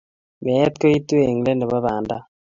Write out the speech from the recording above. Meet koitu eng let nebo banda.